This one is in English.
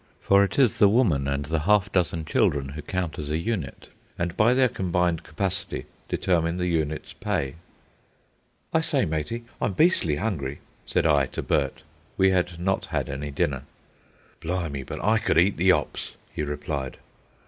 For it is the woman and the half dozen children who count as a unit, and by their combined capacity determine the unit's pay. "I say, matey, I'm beastly hungry," said I to Bert. We had not had any dinner. "Blimey, but I could eat the 'ops," he replied.